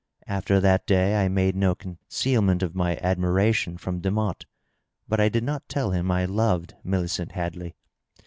After that day I made no concealment of my admiration from Demotte. But I did not tell him I loved Millicent Hadley.